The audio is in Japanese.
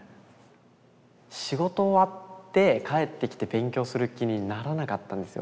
仕事終わって帰ってきて勉強する気にならなかったんですよ。